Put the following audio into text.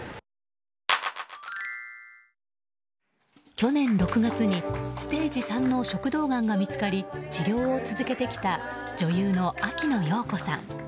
去年６月にステージ３の食道がんが見つかり治療を続けてきた女優の秋野暢子さん。